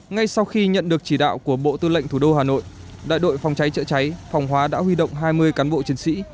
ngay sau khi nhận được chỉ đạo của bộ tư lệnh thủ đô hà nội đại đội phòng cháy chữa cháy phòng hóa đã huy động hai mươi cán bộ chiến sĩ